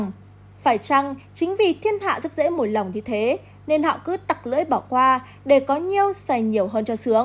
phải chăng chính vì thiên hạ rất dễ mùi lòng như thế nên họ cứ tặc lưỡi bỏ qua để có nhiều dày nhiều hơn cho sướng